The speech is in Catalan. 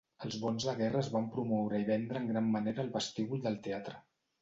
Els bons de guerra es van promoure i vendre en gran manera al vestíbul del teatre.